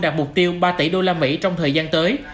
đạt mục tiêu ba tỷ đô la mỹ trong thời gian tới